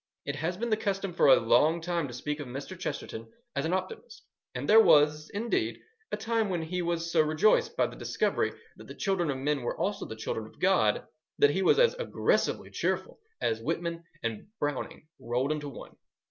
It has been the custom for a long time to speak of Mr. Chesterton as an optimist; and there was, indeed, a time when he was so rejoiced by the discovery that the children of men were also the children of God, that he was as aggressively cheerful as Whitman and Browning rolled into one.